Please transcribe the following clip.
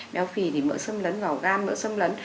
béo phỉ thì mỡ xâm lấn vào gan mỡ xâm lấn